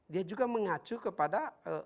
dia juga mengacu kepada